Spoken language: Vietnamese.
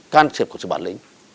can thiệp của sự bản lĩnh